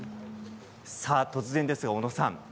突然ですが小野さん